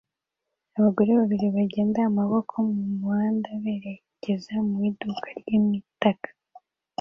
Abagore babiri bagenda amaboko mu muhanda berekeza mu iduka ryimitako